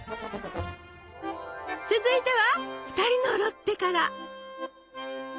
続いては「ふたりのロッテ」から！